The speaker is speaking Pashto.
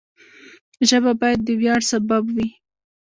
ژبه باید د ویاړ سبب وي.